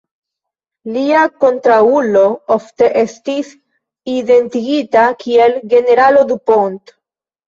Lia kontraŭulo ofte estis identigita kiel generalo Dupont.